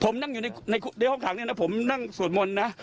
ผมนั่งอยู่ในห้องขังเนี่ยนะผมนั่งสวดมนต์นะ